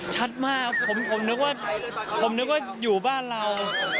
ชัดมากผมนึกว่าอยู่บ้านเรา